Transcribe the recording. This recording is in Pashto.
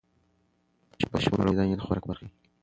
بشپړوونکې دانې د خوراک برخه وي.